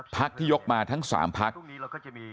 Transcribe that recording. ภักดิ์ที่ยกมาทั้ง๓ภักดิ์